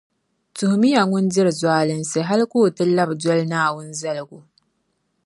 Tuhimi ya ŋun diri zualinsi hali ka o ti labi doli Naawuni zaligu.